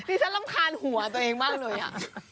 ฉันรำคาญหัวตัวเองมากเลยอ่ะ